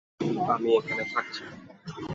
আমি এখানেই থাকছি।